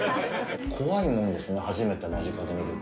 怖いもんですね、初めて間近で見ると。